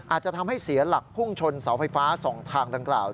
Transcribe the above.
อาจจะทำให้เสียหลักพุ่งชนเสาไฟฟ้า๒ทางดังกล่าว